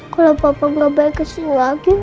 kalau papa gak balik lagi